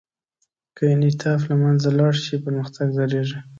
که انعطاف له منځه ولاړ شي، پرمختګ درېږي.